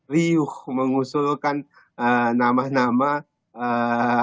riuh mengusulkan nama nama calon menteri